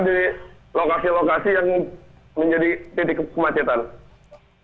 di lokasi lokasi yang menjadi titik kemacetan